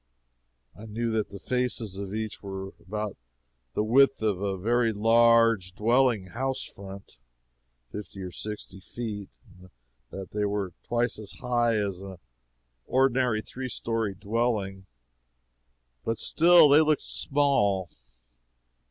I knew that the faces of each were about the width of a very large dwelling house front, (fifty or sixty feet,) and that they were twice as high as an ordinary three story dwelling, but still they looked small.